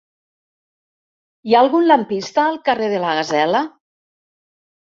Hi ha algun lampista al carrer de la Gasela?